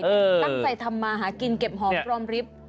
ตั้งใจทำมาหากินเก็บหอมรอมริฟท์